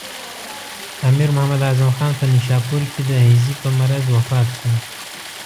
امیر محمد اعظم خان په نیشاپور کې د هیضې په مرض وفات شو.